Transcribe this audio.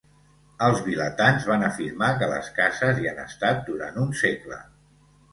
Els vilatans van afirmar que les cases hi han estat durant un segle.